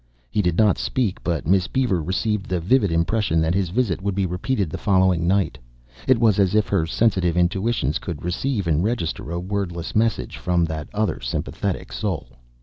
He did not speak but Miss Beaver received the vivid impression that his visit would be repeated the following night; it was as if her sensitive intuitions could receive and register a wordless message from that other sympathetic soul.